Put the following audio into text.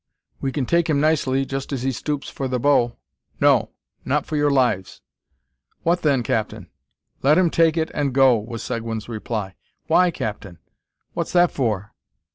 "We kin take him nicely, just as he stoops for the bow." "No; not for your lives!" "What then, captain?" "Let him take it, and go," was Seguin's reply. "Why, captain? what's that for?"